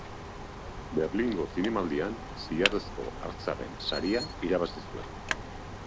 Berlingo Zinemaldian Zilarrezko Hartzaren saria irabazi zuen.